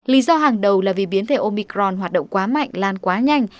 lý do hàng đầu là vì biến thể omicron hoạt động quá mạnh lan quá nhanh